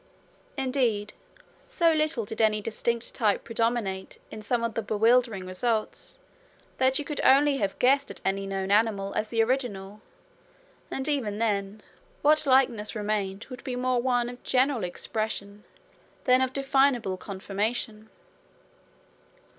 Indeed, so little did any distinct type predominate in some of the bewildering results, that you could only have guessed at any known animal as the original, and even then, what likeness remained would be more one of general expression than of definable conformation.